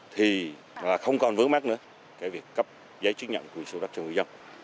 thì là không còn vớ mắt nữa cái việc cấp giấy chứng nhận quyền sâu đắt cho người dân